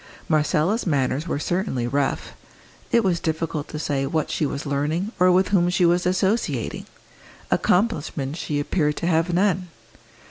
Marcella's manners were certainly rough; it was difficult to say what she was learning, or with whom she was associating; accomplishments she appeared to have none.